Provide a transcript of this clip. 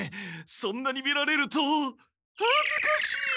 そんなに見られるとはずかしい！